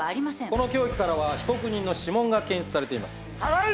この凶器から被告人の指紋が検出されています。